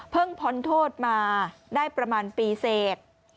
เพิ่งพ้นโทษมาได้ประมาณปีเสก